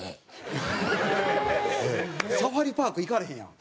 サファリパーク行かれへんやん。